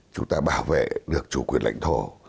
chúng ta bảo vệ được chủ quyền lãnh thổ